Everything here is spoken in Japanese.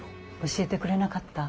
教えてくれなかった。